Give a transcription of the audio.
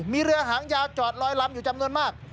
มีเรือหางยาวจอดลอยลำอยู่จำนวนมาก